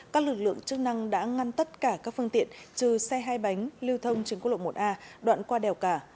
các lực lượng chức năng đã ngăn tất cả các phương tiện trừ xe hai bánh lưu thông trên quốc lộ một a đoạn qua đèo cả